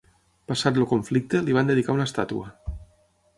Passat el conflicte, li van dedicar una estàtua.